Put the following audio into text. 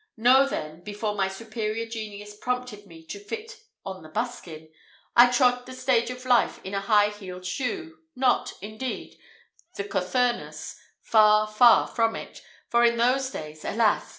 Know then, before my superior genius prompted me to fit on the buskin, I trod the stage of life in a high heeled shoe not, indeed, the Cothurnus; far, far from it, for in those days, alas!